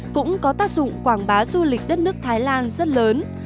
cũng có tác dụng quảng bá du lịch đất nước thái lan rất lớn